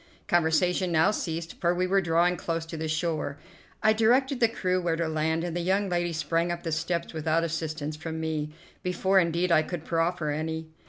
Conversation now ceased, for we were drawing close to the shore. I directed the crew where to land, and the young lady sprang up the steps without assistance from me, before, indeed, I could proffer any.